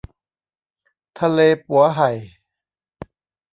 ทะเลปั๋วไห่